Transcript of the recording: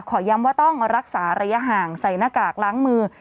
ย้ำว่าต้องรักษาระยะห่างใส่หน้ากากล้างมือ